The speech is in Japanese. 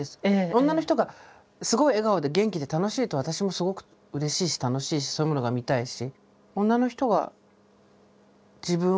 女の人がすごい笑顔で元気で楽しいと私もすごくうれしいし楽しいしそういうものが見たいし。